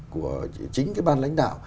của chính cái ban lãnh đạo